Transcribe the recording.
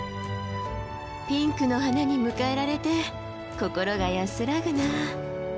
ピンクの花に迎えられて心が安らぐなあ。